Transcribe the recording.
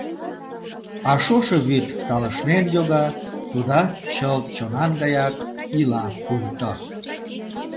А шошо вӱд талышнен йога, тудат чылт чонан гаяк, ила пуйто...